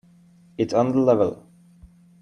It's on the level.